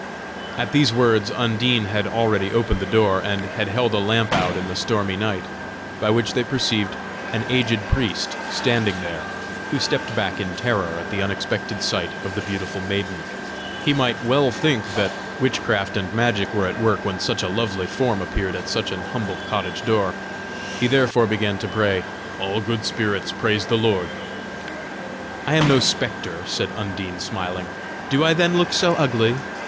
At these words, Undine had already opened the door, and had held a lamp out in the stormy night, by which they perceived an aged priest standing there, who stepped back in terror at the unexpected sight of the beautiful maiden. He might well think that witchcraft and magic were at work when such a lovely form appeared at such an humble cottage door: he therefore began to pray: "All good spirits praise the Lord!" "I am no spectre," said Undine, smiling; "do I then look so ugly?